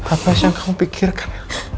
apa yang kamu pikirkan